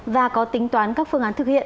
và có tính toán các phương án